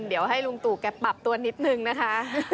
เดี๋ยวให้ลุงตู่แกปรับตัวนิดนึงนะคะ